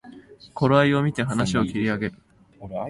頃合いをみて話を切り上げる